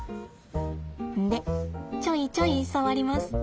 でちょいちょい触ります。